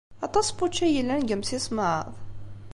Aṭas n wučči ay yellan deg yimsismeḍ?